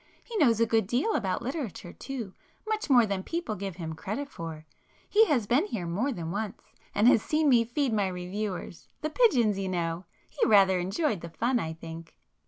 He knows a good deal about literature too,—much more than people give him credit for. He has been here more than once,—and has seen me feed my [p 238] reviewers—the pigeons, you know! He rather enjoyed the fun I think!"